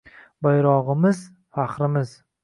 Bayrog‘imiz – faxrimiz